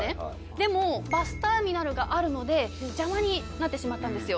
でもバスターミナルがあるので邪魔になってしまったんですよ。